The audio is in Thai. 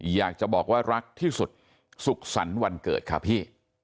อยากจะบอกว่ารักที่สุดสุขสรรค์วันเกิดค่ะพี่